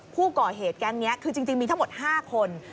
ผู้ก่อเหตุแก๊งนี้คือจริงมีทั้งหมด๕คน